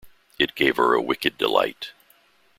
It gave her a wicked delight.